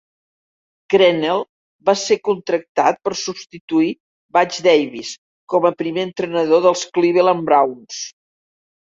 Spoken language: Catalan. Crennel va ser contractat per substituir Butch Davis com a primer entrenador dels Cleveland Browns.